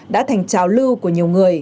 đã thành trào lưu của nhiều người